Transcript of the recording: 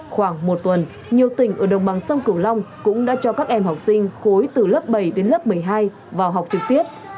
khoảng một tuần nhiều tỉnh ở đồng bằng sông cửu long cũng đã cho các em học sinh khối từ lớp bảy đến lớp một mươi hai vào học trực tiếp